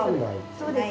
そうです。